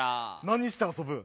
何して遊ぶ？